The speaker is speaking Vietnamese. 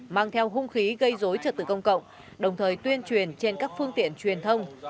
mang theo hung khí gây dối trật tự công cộng đồng thời tuyên truyền trên các phương tiện truyền thông